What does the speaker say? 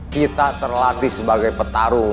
kita terlatih sebagai petarung